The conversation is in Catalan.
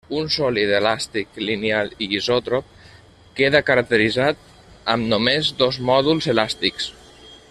Un sòlid elàstic lineal i isòtrop queda caracteritzat amb només dos mòduls elàstics.